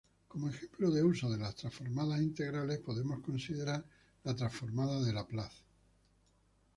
Como ejemplo de uso de las transformadas integrales, podemos considerar la Transformada de Laplace.